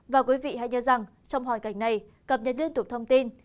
và quý vị hãy nhớ rằng trong hoàn cảnh này cập nhật liên tục thông tin